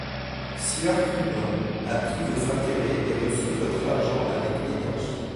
Sieur Clubin a pris vos intérêts et reçu votre argent avec énergie.